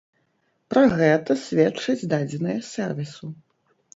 Пра гэта сведчаць дадзеныя сэрвісу.